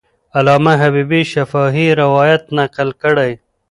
علامه حبیبي شفاهي روایت نقل کړی.